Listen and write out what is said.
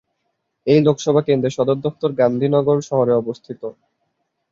এই লোকসভা কেন্দ্রের সদর দফতর গান্ধীনগর শহরে অবস্থিত।